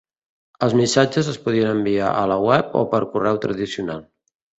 Els missatges es podien enviar a la web o per correu tradicional.